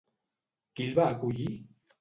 Qui el va acollir?